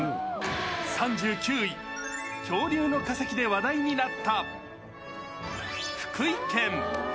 ３９位、恐竜の化石で話題になった福井県。